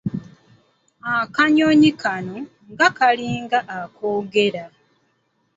Akanyonyi kano nga kalinga akoogera!